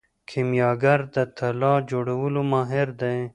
کیمیاګر د طلا جوړولو ماهر دی.